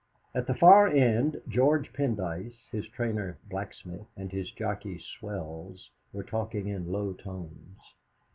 At the far end George Pendyce, his trainer Blacksmith, and his jockey Swells, were talking in low tones.